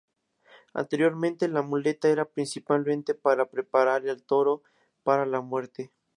Anteriormente la muleta era principalmente para preparar al toro para la muerte.